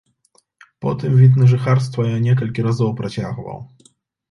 Потым від на жыхарства я некалькі разоў працягваў.